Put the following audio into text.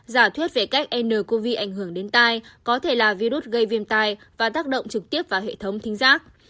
giả thuyết về cách ncov ảnh hưởng đến tai có thể là virus gây viêm tai và tác động trực tiếp vào hệ thống thính giác